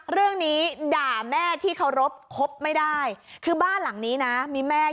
เรื่องนี้ด่าแม่ที่เคารพคบไม่ได้คือบ้านหลังนี้นะมีแม่